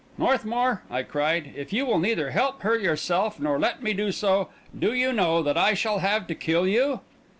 "Northmour," I cried, "if you will neither help her yourself, nor let me do so, do you know that I shall have to kill you?"